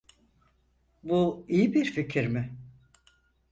Bu iyi bir fikir mi?